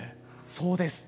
そうです